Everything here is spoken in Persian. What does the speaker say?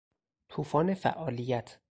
توفان فعالیت